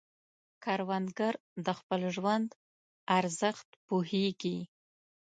کروندګر د خپل ژوند ارزښت پوهیږي